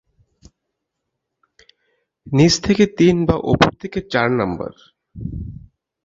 নিচ থেকে তিন বা উপর থেকে চার নম্বর।